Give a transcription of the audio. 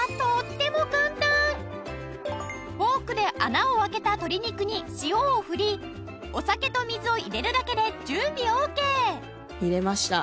フォークで穴を開けた鶏肉に塩を振りお酒と水を入れるだけで準備オーケー。入れました。